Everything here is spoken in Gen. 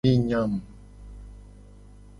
Mi nyam.